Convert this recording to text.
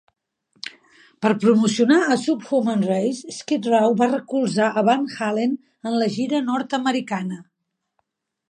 Per promocionar "Subhuman Race", Skid Row va recolzar a Van Halen en la gira nord-americana.